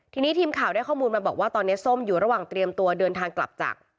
ทีนี้ทีมข่าวได้ข้อมูลมาบอกว่าตอนนี้ส้มอยู่ระหว่างเตรียมตัวเดินทางกลับจาก